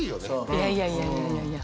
いやいやいやいやいやいや。